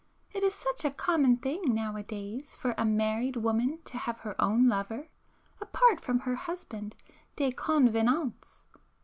It is such a common thing now a days for a married woman to have her own lover, apart from her husband de convenance!